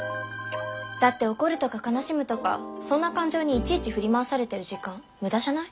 だって怒るとか悲しむとかそんな感情にいちいち振り回されてる時間無駄じゃない？